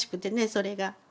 それが。